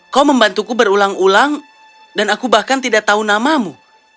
kau membantuku berulang ulang dan aku bahkan tidak tahu namamu